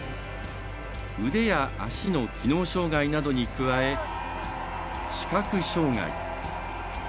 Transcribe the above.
腕や足の機能障がいなどに加え視覚障がい。